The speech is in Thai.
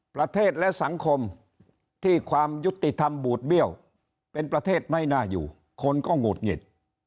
ประเทศและสังคมที่ความยุติธรรมบูดเบี้ยวเป็นประเทศไม่น่าอยู่คนก็หงุดหงิด